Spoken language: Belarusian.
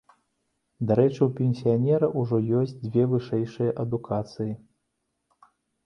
Дарэчы, у пенсіянера ўжо ёсць дзве вышэйшыя адукацыі.